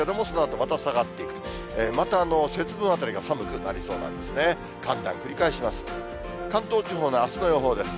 また節分あたりが寒くなりそうなんですね。